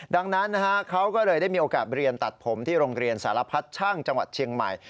ดังนั้นเขาก็เลยได้มีโอกาสเรียนตัดผมที่โรงเรียนสารพัดช่างจังหวัดเชียงใหม่